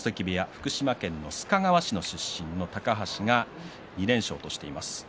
福島県の須賀川市出身の高橋が２連勝としています。